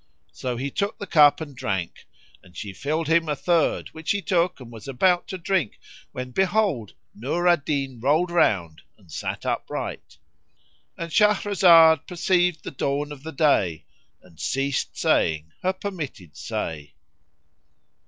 So he took the cup and drank; and she filled him a third which he took and was about to drink when behold, Nur al Din rolled round and sat upright,—And Shahrazad perceived the dawn of day and ceased saying her permitted say.